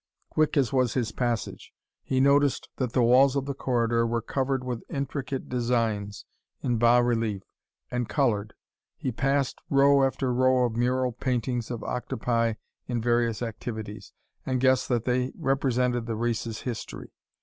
Quick as was his passage, he noticed that the walls of the corridor were covered with intricate designs, in bas relief, and colored. He passed row after row of mural paintings of octopi in various activities, and guessed that they represented the race's history.